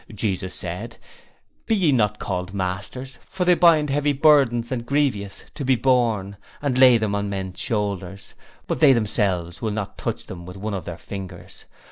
Jesus said: 'Be ye not called masters; for they bind heavy burdens and grievous to be borne, and lay them on men's shoulders, but they themselves will not touch them with one of their fingers.